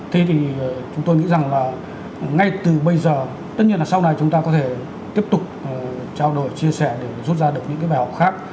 thế thì chúng tôi nghĩ rằng là ngay từ bây giờ tất nhiên là sau này chúng ta có thể tiếp tục trao đổi chia sẻ để rút ra được những cái bài học khác